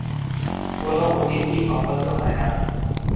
কোন অতিথিই অভদ্র হয় না।